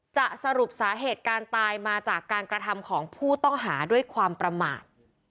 สรุปสาเหตุการตายมาจากการกระทำของผู้ต้องหาด้วยความประมาท